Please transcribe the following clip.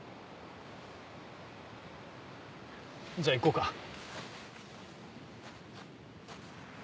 じゃあ行こうか。